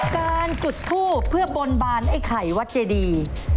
การจุดทูบเพื่อบนบานไอ้ไข่วัดเจดี